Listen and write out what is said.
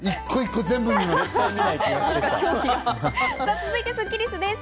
１個１個全部見ます。